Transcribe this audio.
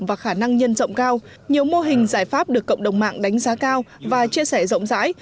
và khả năng nhân rộng cao nhiều mô hình giải pháp được cộng đồng mạng đánh giá cao và chia sẻ rộng rãi